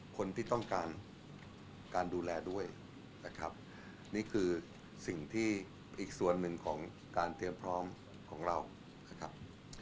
คนที่ต้องการการดูแลด้วยนะครับนี่คือสิ่งที่อีกส่วนหนึ่งของการเตรียมพร้อมของเรานะครับ